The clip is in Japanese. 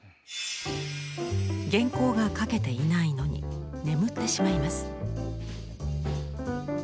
原稿が描けていないのに眠ってしまいます。